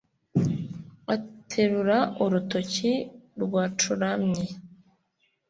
Aterura urutoki rwacuramye